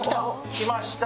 来ました！